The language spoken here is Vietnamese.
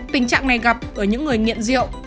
tình trạng này gặp ở những người nghiện rượu